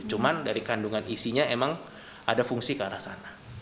cuman dari kandungan isinya emang ada fungsi ke arah sana